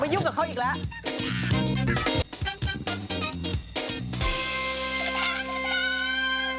ไม่ยุ่งข้าวอีกแล้ว